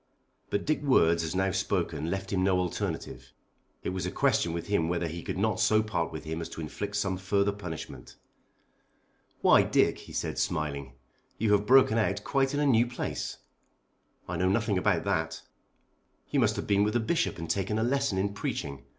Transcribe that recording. But Dick's words as now spoken left him no alternative. It was a question with him whether he could not so part with him as to inflict some further punishment. "Why, Dick," he said smiling, "you have broken out quite in a new place." "I know nothing about that." "You must have been with the Bishop and taken a lesson in preaching.